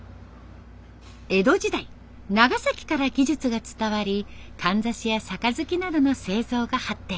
江戸時代長崎から技術が伝わりかんざしやさかずきなどの製造が発展。